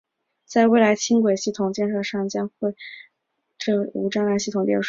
在未来轻轨系统建设上都会将这些无障碍系统列入设计中。